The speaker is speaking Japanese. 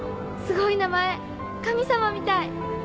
すごい名前神様みたい。